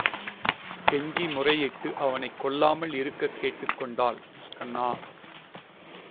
கெஞ்சி முறையிட்டு அவனைக் கொல்லாமல் இருக்கக் கேட்டுக் கொண்டாள். கண்ணா!